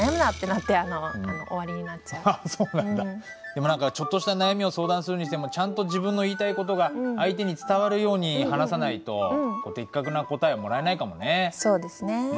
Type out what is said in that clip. でも何かちょっとした悩みを相談するにしてもちゃんと自分の言いたい事が相手に伝わるように話さないと的確な答えはもらえないかもねぇ。